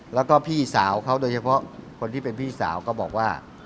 แล้วก็พี่สาวเขาโดยเฉพาะคนที่เป็นพี่สาวก็บอกว่า